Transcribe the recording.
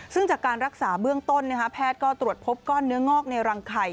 ซึ่งจากการรักษาเบื้องต้นแพทย์ก็ตรวจพบก้อนเนื้องอกในรังไข่